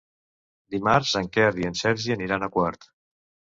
Dimarts en Quer i en Sergi aniran a Quart.